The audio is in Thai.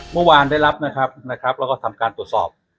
เมื่อวานได้รับแล้วก็ทำการตรวจสอบ